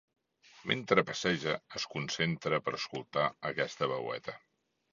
Mentre passeja es concentra per escoltar aquesta veueta.